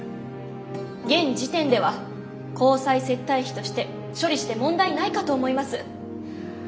現時点では交際接待費として処理して問題ないかと思います。